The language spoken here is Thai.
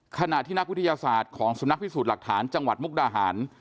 ขณะที่นักวิทยาศาสตร์ของสำนักพิสูจน์หลักฐานจังหวัดมุกดาหาร